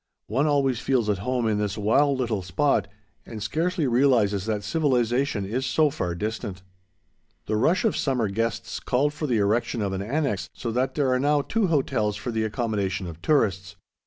One always feels at home in this wild little spot, and scarcely realizes that civilization is so far distant. The rush of summer guests called for the erection of an annex, so that there are now two hotels for the accommodation of tourists.